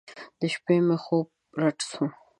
د شپې مې خوب رډ سو.